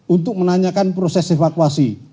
untuk menanyakan proses evakuasi